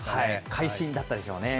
会心だったでしょうね。